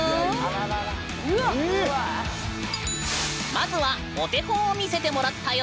まずはお手本を見せてもらったよ！